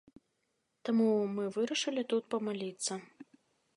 Таму мы вырашылі тут памаліцца.